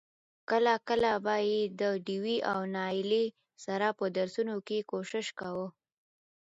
کله کله به يې د ډېوې او نايلې سره په درسونو کې کوشش کاوه.